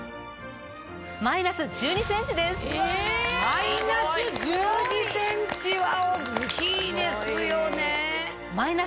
マイナス１２ｃｍは大っきいですよね。